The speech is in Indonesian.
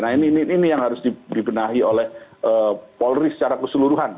nah ini yang harus dibenahi oleh polri secara keseluruhan